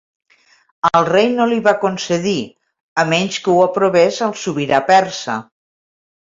El rei no li va concedir a menys que ho aprovés el sobirà persa.